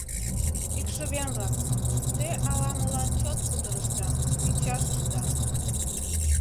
— Икшывем-влак, те ала-молан чот кутырышда, ӱчашышда.